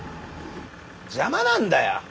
邪魔なんだよ！